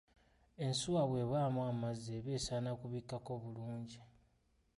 Ensuwa bw'ebaamu amazzi eba esaana kubikkako bulungi.